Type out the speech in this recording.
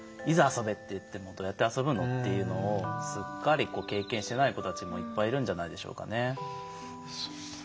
遊べっていってもどうやって遊ぶのっていうのをすっかり経験してない子たちもいっぱいいるんじゃないでしょうかね。